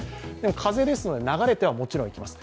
風ですので、流れてはもちろんいきます。